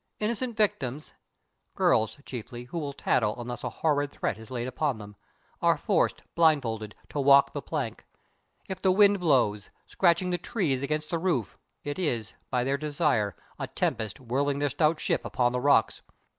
Innocent victims girls, chiefly, who will tattle unless a horrid threat is laid upon them are forced blindfold to walk the plank. If the wind blows, scratching the trees against the roof, it is, by their desire, a tempest whirling their stout ship upon the rocks.